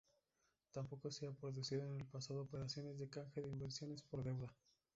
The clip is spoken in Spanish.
Tampoco se han producido en el pasado operaciones de canje de inversiones por deuda.